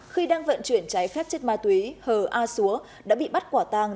khi đăng vận chuyển trái phép chết ma túy hờ a xúa đã bị bắt quả tàng